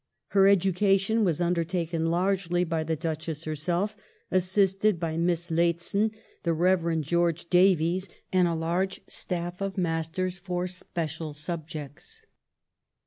Her education was undertaken largely by the Duchess herself, assisted by Miss Lehzen, the Rev. George Davys,^ and a large staff of masters for special subjects.